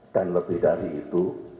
dan lebih dari itu